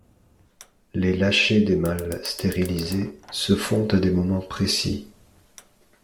Les lâchers des mâles stérilisés se font à des moments précis.